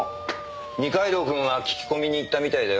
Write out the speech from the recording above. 二階堂くんは聞き込みに行ったみたいだよ。